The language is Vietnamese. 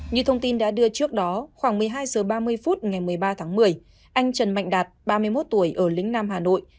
như thông tin đã đưa trước đó khoảng một mươi hai h ba mươi phút ngày một mươi ba tháng một mươi anh trần mạnh đạt ba mươi một tuổi ở lĩnh nam hà nội